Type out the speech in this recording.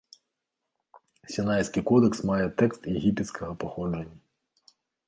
Сінайскі кодэкс мае тэкст егіпецкага паходжання.